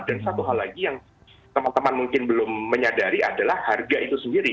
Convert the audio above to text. dan satu hal lagi yang teman teman mungkin belum menyadari adalah harga itu sendiri